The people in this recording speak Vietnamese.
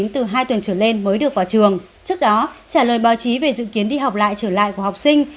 trước đó trả lời báo chí về dự kiến đi học lại trở lại của học sinh